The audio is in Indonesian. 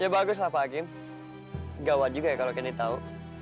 ya bagus lah pak kim gawat juga ya kalau candy tau